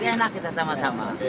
ya enak kita sama sama